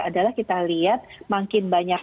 adalah kita lihat makin banyak